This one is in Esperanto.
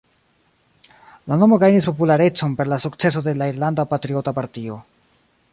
La nomo gajnis popularecon per la sukceso de la Irlanda Patriota Partio.